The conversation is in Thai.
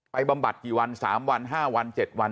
บำบัดกี่วัน๓วัน๕วัน๗วัน